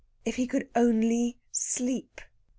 If he could only sleep!